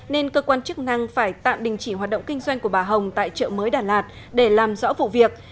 nên cơ quan chức năng phải tạm đình chỉ hoạt động kinh doanh của bà hồng tại chợ mới đà lạt để làm rõ vụ việc